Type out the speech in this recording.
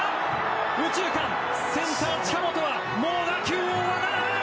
右中間、センターの近本はもう打球を追わない！